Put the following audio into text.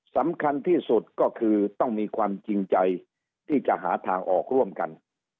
สำคัญที่สุดก็คือต้องมีความจริงใจที่จะหาทางออกร่วมกัน